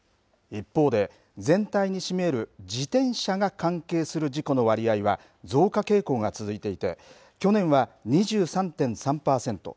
一方で全体に占める自転車が関係する事故の割合は増加傾向が続いていて去年は２３．３パーセント